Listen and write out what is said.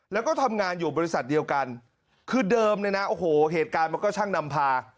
แล้วก็ทำงานอยู่บริษัทเดียวกันคือเดิมเนี่ยนะโอ้โหเหตุการณ์มันก็ช่างนำพา